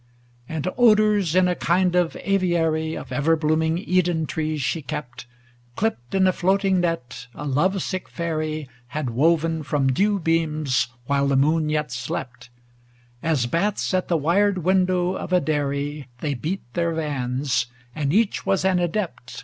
XVI And odors in a kind of aviary Of ever blooming Eden trees she kept, Clipped in a floating net a love sick Fairy Had woven from dew beams while the moon yet slept; As bats at the wired window of a dairy. They beat their vans; and each was an adept.